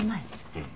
うん。